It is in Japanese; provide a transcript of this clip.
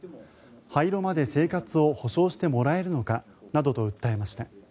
廃炉まで生活を補償してもらえるのかなどと訴えました。